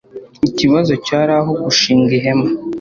Ikibazo cyari aho gushinga ihema